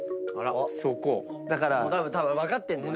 たぶん分かってんだよ。